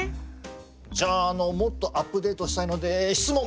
じゃあもっとアップデートしたいので質問！